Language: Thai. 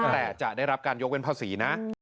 แต่จะได้รับการยกเว้นภาษีนะ